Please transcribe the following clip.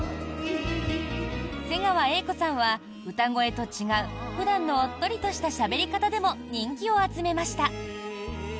瀬川瑛子さんは歌声と違う普段のおっとりとしたしゃべり方でも人気を集めました。